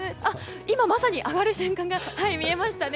今まさに上がる瞬間も見られましたね。